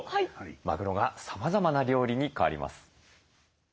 マグロがさまざまな料理に変わります。